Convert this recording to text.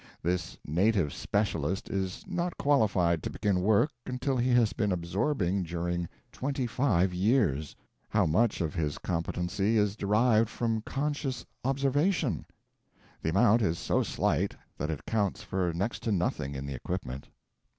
This native specialist is not qualified to begin work until he has been absorbing during twenty five years. How much of his competency is derived from conscious "observation"? The amount is so slight that it counts for next to nothing in the equipment.